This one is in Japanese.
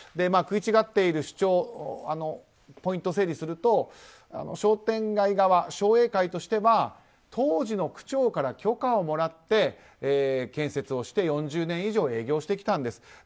食い違っている主張のポイントを整理すると商店街側、商栄会としては当時の区長から許可をもらって建設をして４０年以上、営業してきたんです。